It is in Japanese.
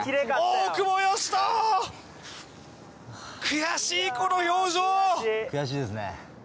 悔しいこの表情悔しいですね